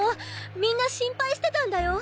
みんな心配してたんだよ。